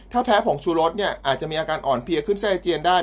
ถ้าแพ้ผงชูรสเนี่ยอาจจะมีอาการอ่อนเพลียขึ้นไส้อาเจียนได้